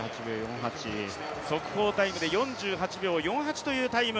速報タイムで４８秒４８というタイム。